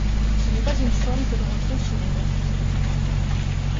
Ce n'est pas une forme que l'on retrouve sur les vraies fusées.